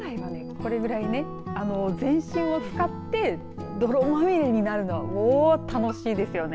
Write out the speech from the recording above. これくらいね、全身を使って泥まみれになるのはもう楽しいですよね。